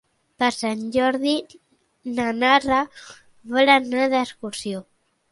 Per Sant Jordi na Nara vol anar d'excursió.